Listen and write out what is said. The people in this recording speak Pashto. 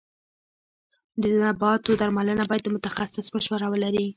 د نباتو درملنه باید د متخصص مشوره ولري.